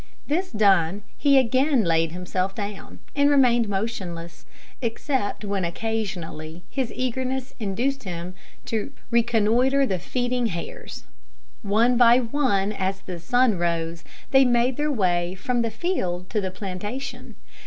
This done, he again laid himself down, and remained motionless, except when occasionally his eagerness induced him to reconnoitre the feeding hares. One by one, as the sun rose, they made their way from the field to the plantation.